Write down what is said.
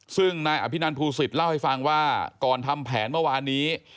ซึ่งนายอภินันภูศิษย์เล่าให้ฟังว่าก่อนทำแผนเมื่อวานนี้